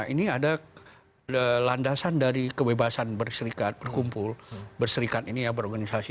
ini ada landasan dari kebebasan berserikat berkumpul berserikat ini ya berorganisasi